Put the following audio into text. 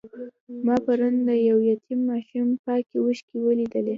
ما پرون د یو یتیم ماشوم پاکې اوښکې ولیدلې.